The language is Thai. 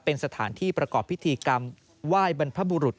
เป็นสถานที่ประกอบพิธีกรรมไหว้บรรพบุรุษ